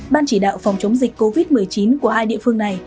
ban chỉ đạo phòng chống dịch covid một mươi chín của hai địa phương này